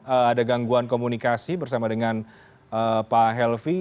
ada gangguan komunikasi bersama dengan pak helvi